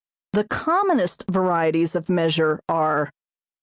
The commonest varieties of measure are: 1.